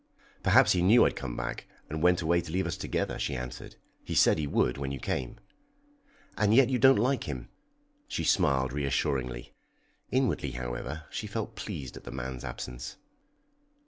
"Perhaps he knew I'd come back, and went away to leave us together," she answered. "He said he would when you came." "And yet you say you don't like him!" She smiled reassuringly. Inwardly, however, she felt pleased at the man's absence.